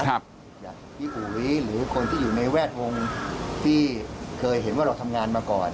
อย่างพี่อุ๋ยหรือคนที่อยู่ในแวดวงที่เคยเห็นว่าเราทำงานมาก่อน